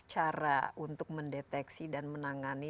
cara untuk mendeteksi dan menangani